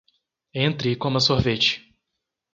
Entre e coma sorvete